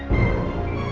yaudah kamu siap siap deh